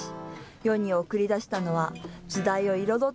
世に送り出したのは、時代を彩っ